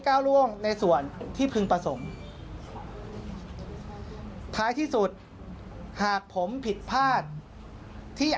ก้าวล่วงในส่วนที่พึงประสงค์ท้ายที่สุดหากผมผิดพลาดที่